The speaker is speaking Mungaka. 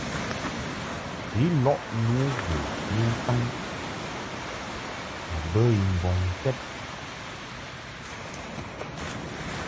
Ilaʼ nu bo ni ntaŋ a bə i mbɔŋkɛd.